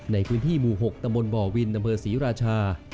ในพื้นที่หมู่๖ตำบลบ่อวินอำเภอศรีราชา